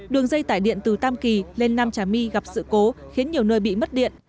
đường dây tải điện từ tam kỳ lên nam trà my gặp sự cố khiến nhiều nơi bị mất điện